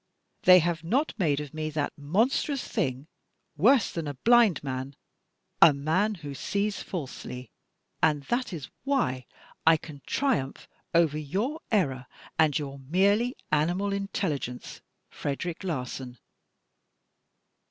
They have not made of me that monstrous thing —: worse than a blind man — a man who sees falsely. And that is why I can triumph over your error and your merely animal intelligence, Frederic Lirsdn!"